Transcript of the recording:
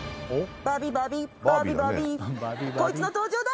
バビバビバビバビコイツの登場だ！